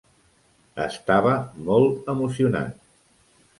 Estava molt emocionat.